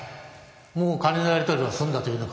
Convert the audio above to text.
もう金のやり取りは済んだというのか？